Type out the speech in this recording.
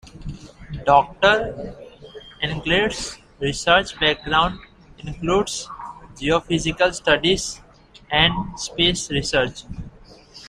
Doctor Englert's research background includes geophysical studies and space research.